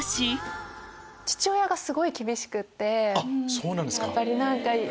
そうなんですか！